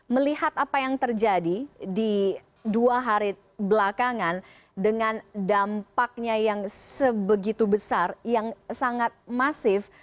melihat apa yang terjadi di dua hari belakangan dengan dampaknya yang sebegitu besar yang sangat masif